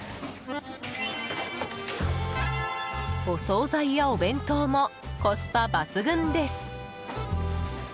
お総菜やお弁当もコスパ抜群です。